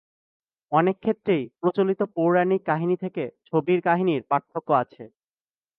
অনেক ক্ষেত্রেই প্রচলিত পৌরাণিক কাহিনী থেকে ছবির কাহিনীর পার্থক্য আছে।